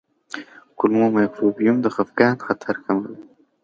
کولمو مایکروبیوم د خپګان خطر کموي.